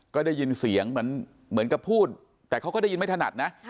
ก็ได้ยินเสียงเหมือนกับพูดแต่เขาก็ได้ยินไม่ถนัดนะ